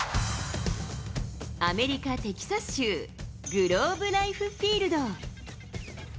アメリカ・テキサス州グローブライフフィールド。